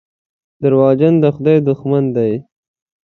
دروغجن د خدای دښمن دی.